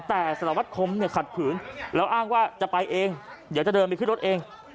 แต่สรวจคมเนี่ยขัดผืนและอ้างว่าจะไปเองจะโดนไปขึ้นรถเอง